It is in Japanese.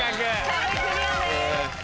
壁クリアです。